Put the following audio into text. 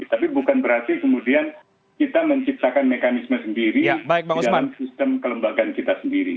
tapi bukan berarti kemudian kita menciptakan mekanisme sendiri di dalam sistem kelembagaan kita sendiri